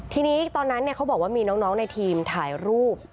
ทีนี้ตอนนั้นเขาบอกว่ามีน้องในทีมถ่ายรูป